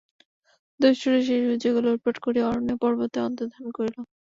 দস্যুরা সেই সুযোগে লুটপাট করিয়া অরণ্যে-পর্বতে অন্তর্ধান করিল।